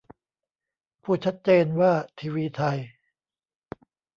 พูดชัดเจน ว่าทีวีไทย